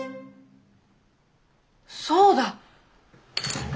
そうだ！